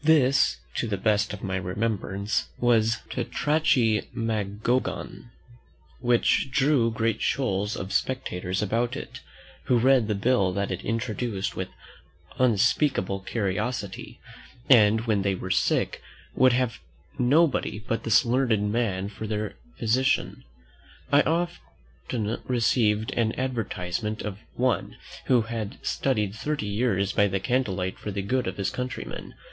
This, to the best of my remembrance, was TETRACHYMAGOGON, which drew great shoals of spectators about it, who read the bill that it introduced with unspeakable curiosity; and when they were sick, would have nobody but this learned man for their physician. I once received an advertisement of one "who had studied thirty years by candle light for the good of his countrymen."